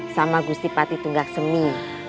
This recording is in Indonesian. sama gusti pati tunggak semi